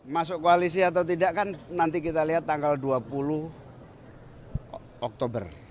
masuk koalisi atau tidak kan nanti kita lihat tanggal dua puluh oktober